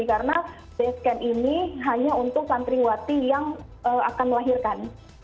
karena basecamp ini hanya untuk santriwati yang akan melahirkan